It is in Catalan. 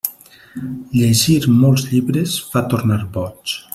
Llegir molts llibres fa tornar boig.